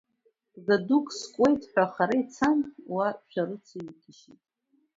Бгадук скуеит ҳәа хара ицан, уа шәарыцаҩык ишьит.